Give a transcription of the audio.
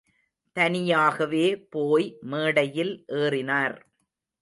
தனியாகவே போய் மேடையில் ஏறினார்.